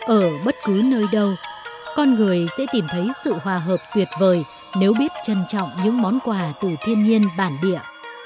ở bất cứ nơi đâu con người sẽ tìm thấy sự hòa hợp tuyệt vời nếu biết trân trọng những món quà từ thiên nhiên bản địa